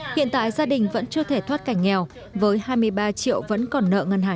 hiện tại gia đình vẫn chưa được bắt đầu